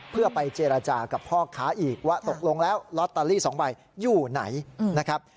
เพื่อไปเจรจากับพ่อค้าอีกว่าตกลงแล้วลอตเตอรี่๒ใบอยู่ไหนนะครับ